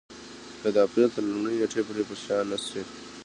که د اپرېل تر لومړۍ نېټې پر شا نه شي.